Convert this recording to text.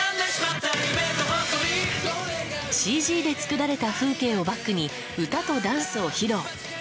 ＣＧで作られた風景をバックに歌とダンスを披露。